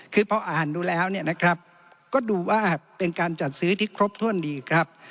คือพออ่านดูแล้วเนี่ยนะครับก็ดูว่าเป็นการจัดซื้อที่ครบถ้วนดีครับ